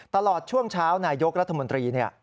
ตลอดช่วงเช้านายกรัฐมนตรี